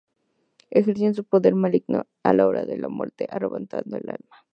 Ejercía su poder maligno a la hora de la muerte arrebatando el alma.